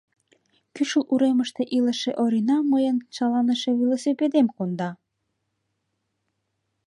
Кӱшыл уремыште илыше Орина мыйын шаланыше велосипедем конда.